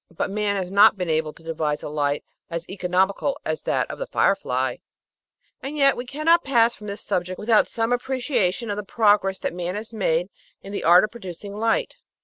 But man has not been able to devise a light as economical as that of the fire fly ! And yet we cannot pass from this subject without some ap preciation of the progress that man has made in the art of produc ing light.